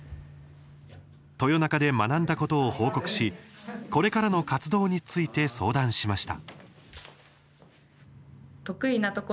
豊中で学んだことを報告しこれからの活動について相談しました。